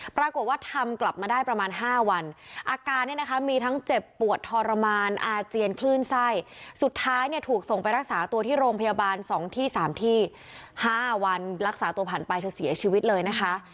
ปรากฏว่าทำกลับมาได้ประมาณ๕วันอาการเนี่ยนะคะมีทั้งเจ็บปวดทรมานอาเจียนคลื่นไส้สุดท้ายเนี่ยถูกส่งไปรักษาตัวที่โรงพยาบาล๒ที่๓ที่๕วันรักษาตัวผ่านไปเธอเสียชีวิตเลยนะคะ